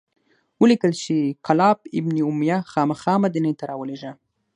ولیکل چې کلاب بن امیة خامخا مدینې ته راولیږه.